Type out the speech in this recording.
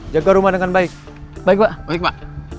jaga rumah dengan baik baik pak baik pak